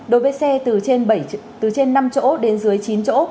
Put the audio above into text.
đối với xe từ trên năm chỗ đến dưới chín chỗ